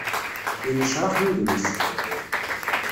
Yennecraḥ wudem-is.